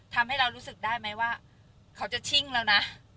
ทำให้เรารู้สึกได้ไหมว่าเขาจะชิ่งแล้วนะ